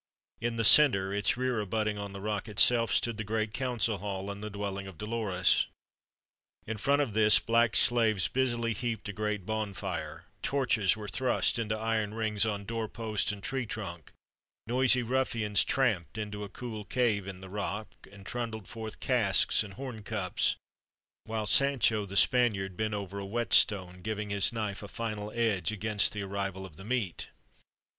In the center, its rear abutting on the rock itself, stood the great council hall and the dwelling of Dolores. In front of this black slaves busily heaped a great bonfire; torches were thrust into iron rings on doorpost and tree trunk; noisy ruffians tramped into a cool cave in the rock and trundled forth casks and horn cups; while Sancho, the Spaniard, bent over a whetstone, giving his knife a final edge against the arrival of the meat.